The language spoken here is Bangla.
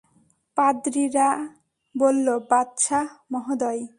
পাদ্রীরা বলল, বাদশাহ মহোদয়!